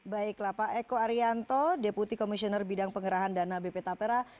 baiklah pak eko arianto deputi komisioner bidang pengerahan dana bp tapera